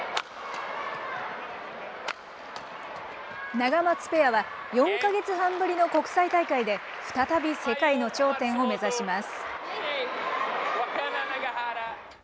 ナガマツペアは、４か月半ぶりの国際大会で、再び世界の頂点を目指します。